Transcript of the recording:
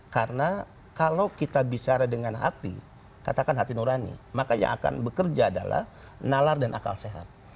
karena kalau kita bicara dengan hati katakan hati nurani makanya akan bekerja adalah nalar dan akal sehat